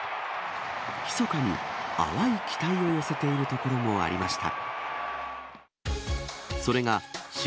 密かに淡い期待を寄せている所もありました。